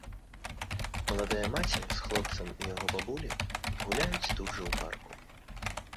Маладая маці з хлопцам і яго бабуляй гуляюць тут жа ў парку.